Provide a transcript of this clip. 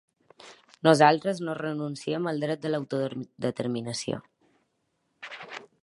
Nosaltres no renunciem al dret a l’autodeterminació.